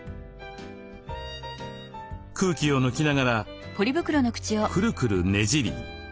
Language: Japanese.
空気を抜きながらクルクルねじり。